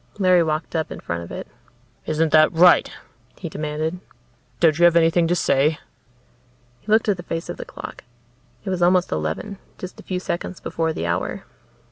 Larry walked up in front of it. "Isn't that right?" he demanded. "Don't you have anything to say?" He looked at the face of the clock. It was almost eleven, just a few seconds before the hour.